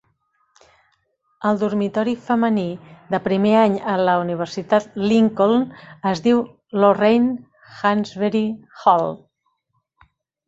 El dormitori femení de primer any a la Universitat Lincoln es diu Lorraine Hansberry Hall.